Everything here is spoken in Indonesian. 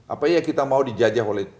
apakah kita mau dijajah oleh